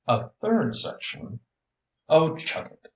A third section " "Oh, chuck it!"